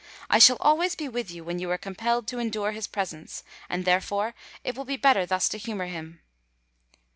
I shall always be with you when you are compelled to endure his presence; and therefore it will be better thus to humour him."